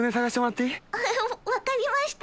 分かりました。